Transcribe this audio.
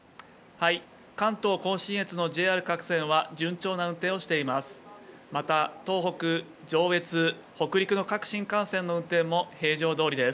関東甲信越のＪＲ各線は、順調な運転をしています。